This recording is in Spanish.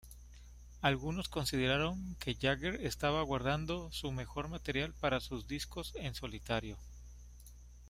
Algunos consideraron que Jagger estaba guardando su mejor material para sus discos en solitario.